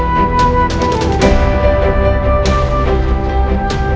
sudah mendapatkan pusaka itu